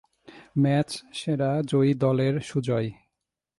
ম্যাচসেরা জয়ী দলের সুজয়।